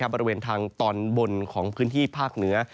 บริเวณทางตอนบนของพื้นที่ภาคเหนือ